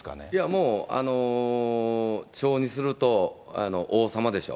もう、町にすると王様でしょ。